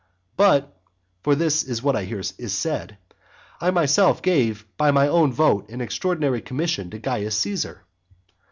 But (for this is what I hear is said,) I myself gave by my own vote an extraordinary commission to Caius Caesar.